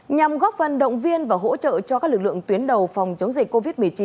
nhằm góp phần động viên và hỗ trợ cho các lực lượng tuyến đầu phòng chống dịch covid một mươi chín